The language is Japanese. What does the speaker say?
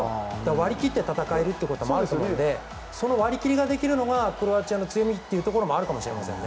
割り切って戦えるということもあると思うのでその割り切りができるのがクロアチアの強みというのもあるかもしれませんね。